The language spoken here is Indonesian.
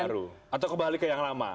yang baru atau kebalik ke yang lama